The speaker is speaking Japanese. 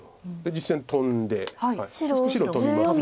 実戦トンで白トビます。